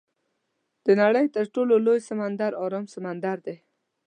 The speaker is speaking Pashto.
د نړۍ تر ټولو لوی سمندر ارام سمندر دی.